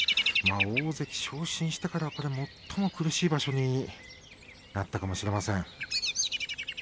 大関昇進してから最も苦しい場所になったかもしれません。